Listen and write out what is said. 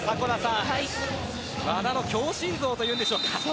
和田の強心臓というんでしょうか。